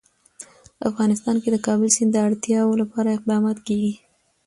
افغانستان کې د کابل سیند د اړتیاوو لپاره اقدامات کېږي.